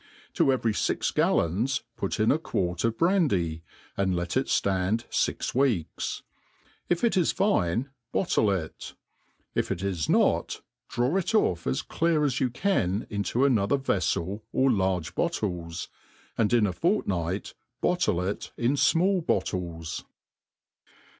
To every fix gallons put in a quart of brandy, and let it ftand iir weeks. If it is fine, bottle it; if it is not, draw it off as clear as you can, into another veflel or large bottles i and in a iort« night) bottle it in fmall bottles.